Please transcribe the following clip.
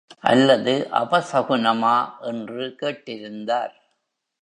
அல்லது அபசகுனமா? என்று கேட்டிருந்தார்.